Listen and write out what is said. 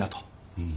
うん。